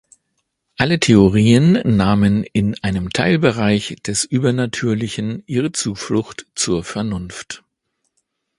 Alle Theorien nahmen in einem Teilbereich des Übernatürlichen ihre Zuflucht zur Vernunft.